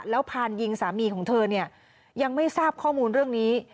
แล้วพานยิงสามีของเธอเนี่ยยังไม่ทราบข้อมูลเรื่องนี้